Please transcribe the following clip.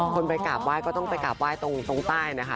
คนไปกราบไหว้ก็ต้องไปกราบไหว้ตรงใต้นะคะ